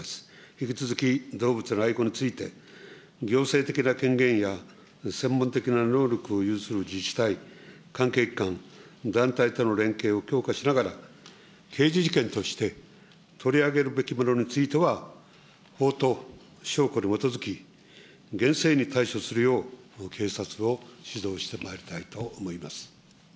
引き続き動物の愛護について、行政的な権限や専門的な労力を有する自治体、関係機関、団体との連携を強化しながら、刑事事件として取り上げるべきものについては、法と証拠に基づき、厳正に対処するよう警察を指導してまいりたいと思います。